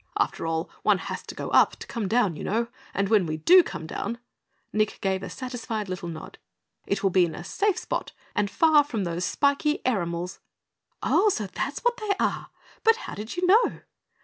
After all, one has to go up to come down, you know. And when we do come down " Nick gave a satisfied little nod, "it will be in a safe spot and far from those spiky airimals." "So that's what they are! But how did you know?"